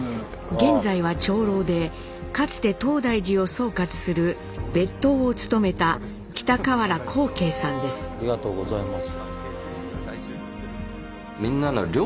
現在は長老でかつて東大寺を総括する別当を務めたありがとうございます。